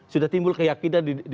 sudah timbul keyakinan